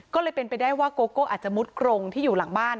ก็เลยเป็นไปได้ว่าโกโก้อาจจะมุดกรงที่อยู่หลังบ้าน